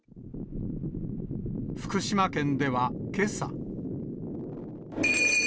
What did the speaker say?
福島県ではけさ。